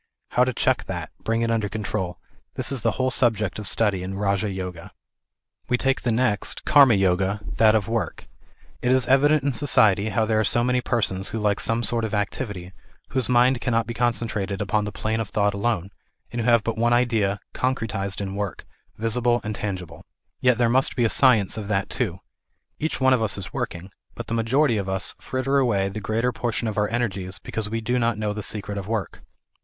How to check that, bring it under control, this is the whole of subject of study in Raja Yoga. We take the next, Karma Yoga, that of work. It is evident in society how there are so many persons who like THE IDEAL OF A UNIVERSAL RELIGION. 321 some sort of activity, whose mind cannot be concentrated ujk>n the plane of thought alone, and who have but one idqa, concretised in work, visible and tangible. Yet there must be a science of that too, Each one of us is working, but the majority of us fritter away the greater portion of our energies, because we do not know the secret of work.